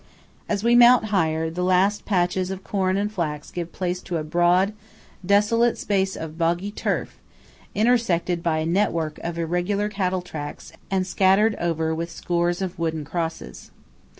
As we mount higher, the last patches of corn and flax give place to a broad, desolate space of boggy turf intersected by a network of irregular cattle tracks and scattered over with scores of wooden crosses.